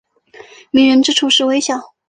迷人之处是笑容。